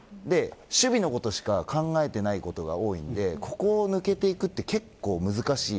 守備のことしか考えていないことが多いのでここを抜けていくのは結構難しい。